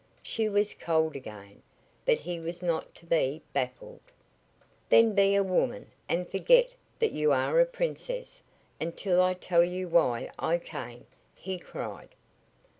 She was cold again, but he was not to be baffled. "Then be a woman and forget that you are a princess until I tell you why I came," he cried.